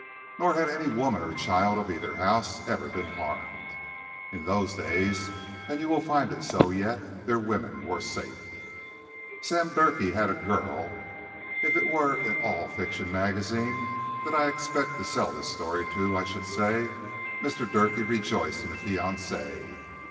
Nor had any woman or child of either house ever been harmed. In those days—and you will find it so yet—their women were safe. Sam Durkee had a girl. (If it were an all fiction magazine that I expect to sell this story to, I should say, "Mr. Durkee rejoiced in a fiancée.")